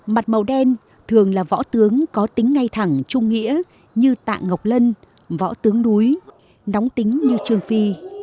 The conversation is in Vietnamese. mặt màu đen thường là võ tướng có tính ngay thẳng trung nghĩa như tạ ngọc lân võ tướng đuối nóng tính như trương phi